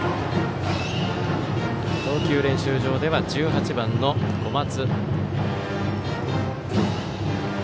投球練習場では１８番の小松。